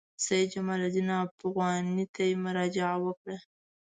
سید جمال الدین افغاني ته مراجعه وکړه.